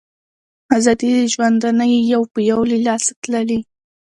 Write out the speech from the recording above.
آزادۍ د ژوندانه یې یو په یو له لاسه تللي